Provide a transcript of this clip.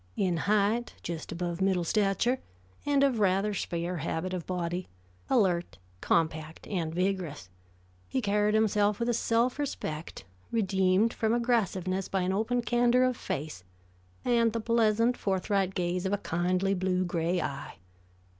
In height just above middle stature, and of rather spare habit of body, alert, compact and vigorous, he carried himself with a self respect redeemed from aggressiveness by an open candor of face and the pleasant forthright gaze of a kindly blue gray eye.